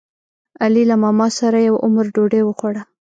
علي له ماماسره یو عمر ډوډۍ وخوړه.